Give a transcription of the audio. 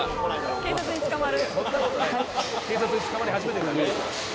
警察に捕まる。